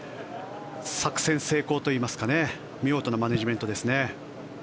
作戦成功といいますか見事なマネジメントですね。